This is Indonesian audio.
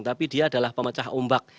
tapi dia adalah pemecah ombak